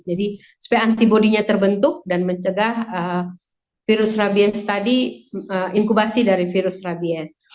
jadi supaya antibodinya terbentuk dan mencegah virus rabies tadi inkubasi dari virus rabies